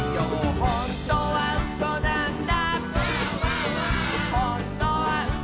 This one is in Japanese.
「ほんとにうそなんだ」